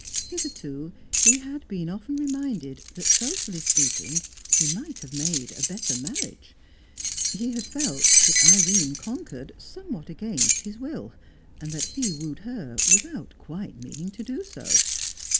Hitherto he had been often reminded that, socially speaking, he might have made a better marriage; he had felt that Irene conquered somewhat against his will, and that he wooed her without quite meaning to do so.